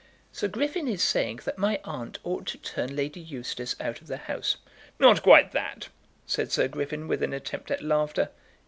"Sir Griffin is saying that my aunt ought to turn Lady Eustace out of the house." "Not quite that," said Sir Griffin with an attempt at laughter.